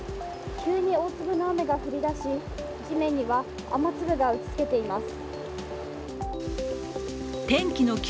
急に大粒の雨が降り出し、地面には雨粒が打ちつけています。